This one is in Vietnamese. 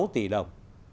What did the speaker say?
sáu tỷ đồng